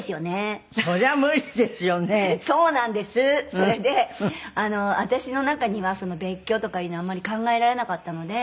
それで私の中には別居とかいうのはあんまり考えられなかったので。